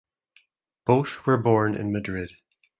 Both were born in Madrid.